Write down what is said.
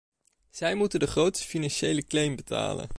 Zij moeten de grootste financiële claim betalen.